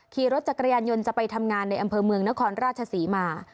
ขี่รถจักรยานยนต์จะไปทำงานในอำเภอเมืองนครราชศรีมา